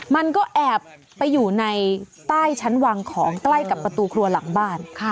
มันก็แอบไปอยู่ในใต้ชั้นวางของใกล้กับประตูครัวหลังบ้าน